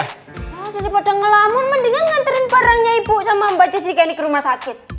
oh daripada ngelamun mendingan nganterin parangnya ibu sama mbak jessica ini ke rumah sakit